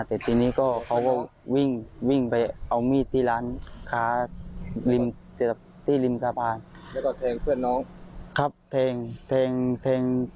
แต่ทีนี้ก็วิ่งไปเอามีดที่ร้าน้างขาซับที่ริมทราบน้องเนี่ยก็ทงเพื่อนน้องครับ